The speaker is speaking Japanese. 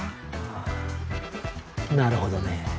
ああなるほどね